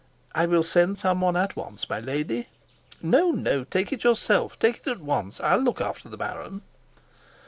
"I will send some one at once, my lady." "No, no, take it yourself take it at once. I'll look after the baron."